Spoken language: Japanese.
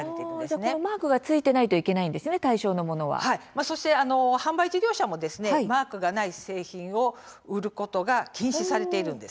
対象のものはマークがついてないとそして販売事業者もマークがない製品を売ることが禁止されているんです。